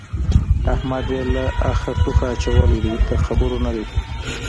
احمد يې له اخه توخه اچولی دی؛ د خبرو نه دی.